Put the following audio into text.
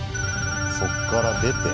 そっから出て。